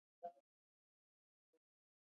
د خلکو په خوشحالۍ باندې حسد مکوئ